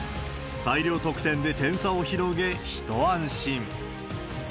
大量得点で点差を広げ、一安心。